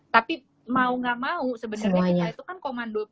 tapi mau gak mau sebenernya itu kan komando petugas